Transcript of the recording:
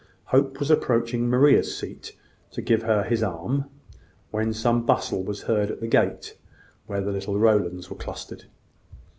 Hope was approaching Maria's seat, to give her his arm, when some bustle was heard at the gate where the little Rowlands were clustered.